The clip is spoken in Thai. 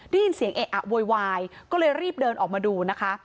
ได้ยินเสียงเอะอะโวยวายก็เลยรีบเดินออกมาดูนะคะ